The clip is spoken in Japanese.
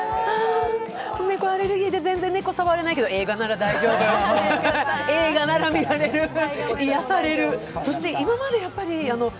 猫アレルギーで猫全然触れないけど、映画なら大丈夫、映画なら見られる、癒やされる。